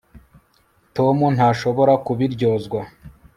tom ntashobora kubiryozwa